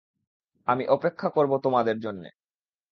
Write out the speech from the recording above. আমি অপেক্ষা করব তোমাদের জন্যে।